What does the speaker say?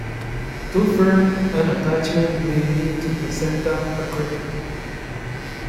Too firm an attachment may lead to placenta accreta.